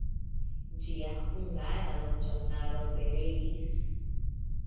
Ĝia hungara loĝantaro pereis.